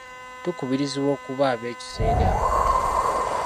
Tukubirizibwa okuba ab'ekisa eri abalala.